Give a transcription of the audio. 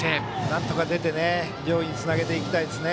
なんとか出て上位につなげたいですね。